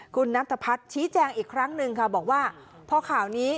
คุณนัทพรรษชี้แจงอีกครั้งหนึ่งค่ะ